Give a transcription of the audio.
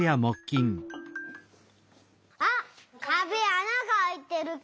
あっかべあながあいてる！